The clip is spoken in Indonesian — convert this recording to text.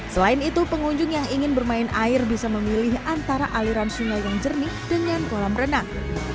selain itu pengunjung yang ingin bermain air bisa memilih antara aliran sungai yang jernih dengan kolam renang